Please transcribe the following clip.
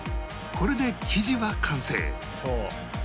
これで生地は完成